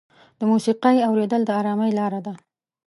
د موسیقۍ اورېدل د ارامۍ لاره ده.